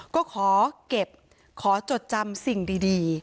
ก็ขอเก็บขอจดจำสิ่งดี